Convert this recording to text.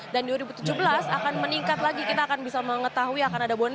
dan di dua ribu tujuh belas akan meningkat lagi kita akan bisa mengetahui akan ada boneka